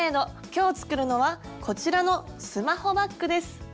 今日作るのはこちらのスマホバッグです。